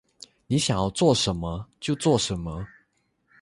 你想要做什么？就做什么